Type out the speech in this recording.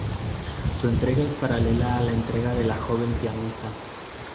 Su entrega es paralela a la entrega de la joven pianista.